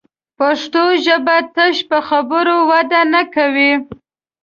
پښتو ژبه تش په خبرو وده نه کوي